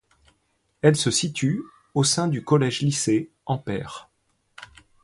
Elle se situe au sein du collège-lycée Ampère.